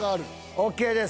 ＯＫです。